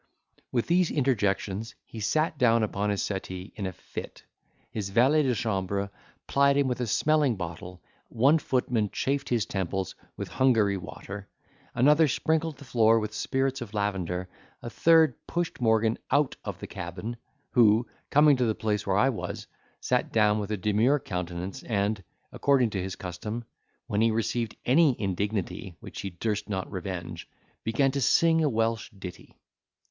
With these interjections he sank down upon his settee in a fit: his valet de chambre plied him with a smelling bottle, one footman chafed his temples with Hungary water, another sprinkled the floor with spirits of lavender, a third pushed Morgan out of the cabin; who coming to the place where I was, sat down with a demure countenance and, according to his custom, when he received any indignity which he durst not revenge, began to sing a Welsh ditty.